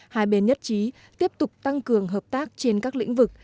hai bên nhất trí tiếp tục tăng cường hợp tác trên các lĩnh vực